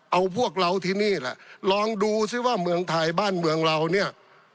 เอาพวกเราที่นี่แหละลองดูซิว่าเมืองไทยบ้านเมืองเราเนี่ย